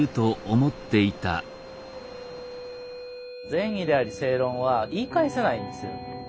善意であり正論は言い返せないんですよ。